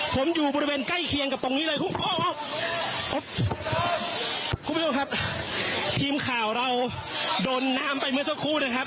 ผมอยู่บริเวณใกล้เคียงกับตรงนี้เลยคุณผู้ชมครับทีมข่าวเราโดนน้ำไปเมื่อสักครู่นะครับ